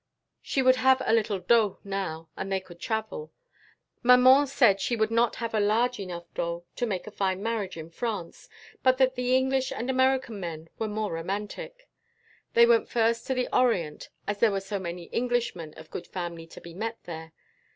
She would have a little dot now, and they could travel. Maman said she would not have a large enough dot to make a fine marriage in France, but that the English and American men were more romantic. They went first to the Orient, as there were many Englishmen of good family to be met there.